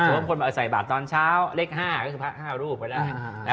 สวมคนมาใส่บาตตอนเช้าเล็ก๕ก็คือ๕รูปไว้ได้